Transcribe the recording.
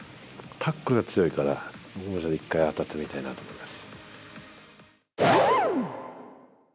タックルが強いから、一回当たってみたいなと思います。